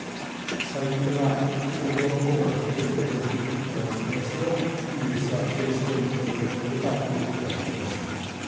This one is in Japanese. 細菌は普通の光学顕微鏡で見ることができますがウイルスは電子顕微鏡でなければ見ることができません。